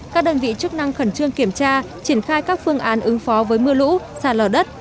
các đơn vị chức năng khẩn trương kiểm tra triển khai các phương án ứng phó với mưa lũ sạt lở đất